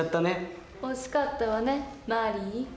惜しかったわねマリー。